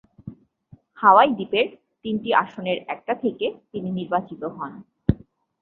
হাওয়াই দ্বীপের তিনটা আসনের একটা থেকে তিনি নির্বাচিত হন।